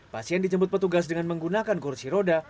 pasien dijemput petugas dengan menggunakan kursi roda